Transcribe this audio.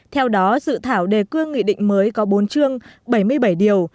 theo đó dự thảo đề cương nghị định mới có bốn chương bảy mươi bảy điều